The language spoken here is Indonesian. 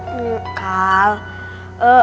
allahu akbar allahu akbar